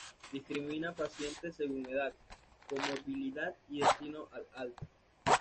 Discrimina pacientes según edad, comorbilidad y destino al alta.